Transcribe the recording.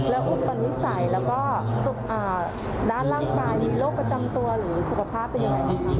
แล้วอุปนิสัยแล้วก็ด้านร่างกายมีโรคประจำตัวหรือสุขภาพเป็นยังไงบ้างคะ